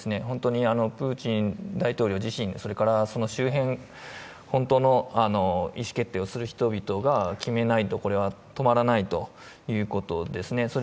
本当にプーチン大統領自身、それからその周辺、本当の意思決定をする人々が決めないとこれは止まらないということです。